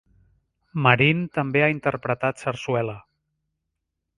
Marín també ha interpretat sarsuela.